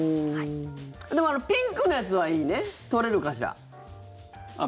でもピンクのやつはいいね取れるかしら？